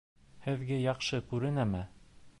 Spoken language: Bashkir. Һеҙгә яҡшы күренәме?